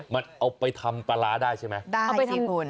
มันเอาไปทำปลาลาได้ใช่ไหม